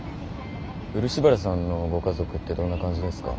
漆原さんのご家族ってどんな感じですか？